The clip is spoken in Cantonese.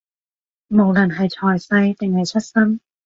無論係財勢，定係出身